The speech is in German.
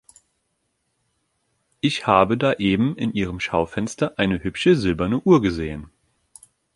Ich habe da eben in Ihrem Schaufenster eine hübsche silberne Uhr gesehen.